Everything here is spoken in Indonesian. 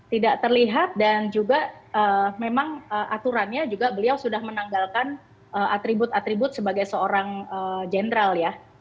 tidak terlihat dan juga memang aturannya juga beliau sudah menanggalkan atribut atribut sebagai seorang jenderal ya